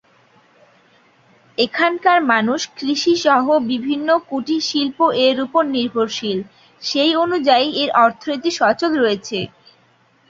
এখানকার মানুষ কৃষি সহ বিভিন্ন কুটির শিল্প এর উপর নির্ভরশীল সেই অনুযায়ী এর অর্থনীতি সচল রয়েছে।